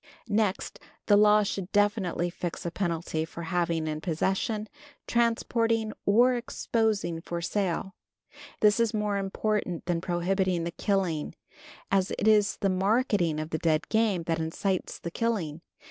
Next, the law should definitely fix a penalty for having in possession, transporting or exposing for sale. This is more important than prohibiting the killing, as it is the marketing of dead game that incites the killing.